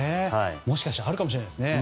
もしかしたらあるかもしれませんね。